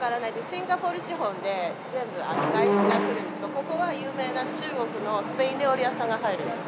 シンガポール資本で全部外資が来るんですけどここは有名な中国のスペイン料理屋さんが入るんです。